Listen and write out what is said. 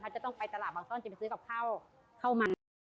จะต้องไปตลาดบางซ่อนจะไปซื้อกับข้าวมัน